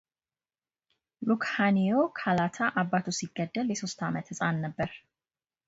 ሉክሃንዮ ካላታ አባቱ ሲገደል የሦስት ዓመቱ ህጻን ነበር።